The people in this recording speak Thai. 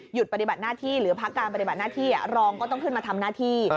ปฏิบัติหน้าที่หรือพักการปฏิบัติหน้าที่รองก็ต้องขึ้นมาทำหน้าที่